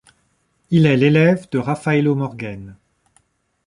Il est l'élève de Raffaello Morghen.